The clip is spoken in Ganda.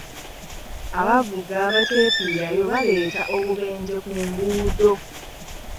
Abavuga abateefiirayo baleeta obubenje ku nguudo.